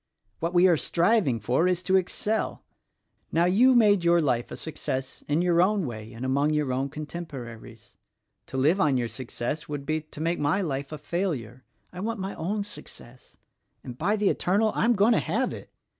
What we are striving for is to excel. Now, you made your life a success in your own way and among your own contemporaries. To live on your success, would be to make my life a failure. I want my own success, — and by the Eternal, I am going to have it!